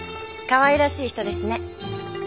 かわいらしい人ですね。